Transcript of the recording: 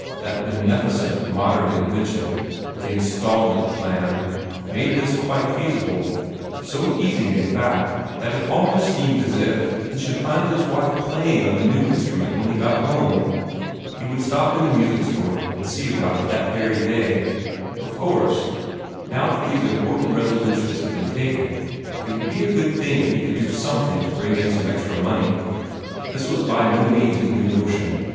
That beneficient modern invention, the instalment plan, made this quite feasible so easy, in fact, that it almost seemed as if he should find his wife playing on the new instrument when he got home. He would stop in at the music store and see about it that very day. Of course, now that these important resolutions had been taken, it would be a good thing if he could do something to bring in some extra money. This was by no means a new notion.